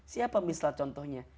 siapa misal contohnya